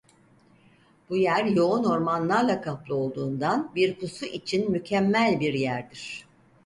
Bu yer yoğun ormanlarla kaplı olduğundan bir pusu için mükemmel bir yerdir.